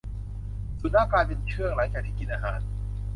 สุนัขกลายเป็นเชื่องหลังจากที่กินอาหาร